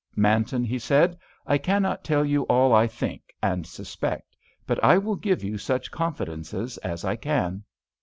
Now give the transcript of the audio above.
"Manton," he said, "I cannot tell you all I think and suspect, but I will give you such confidences as I can."